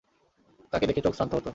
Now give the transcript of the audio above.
তাঁকে দেখে চোখ শান্ত হত।